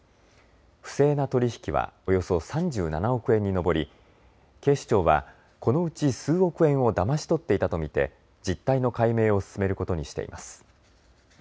不正な取り引きはおよそ３７億円に上り警視庁はこのうち数億円をだまし取っていたと見て実態の解明を進めることにしています。